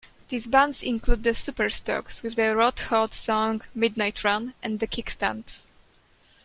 These bands include the Super-Stocks, with the hot-rod song "Midnight Run", and the Kickstands.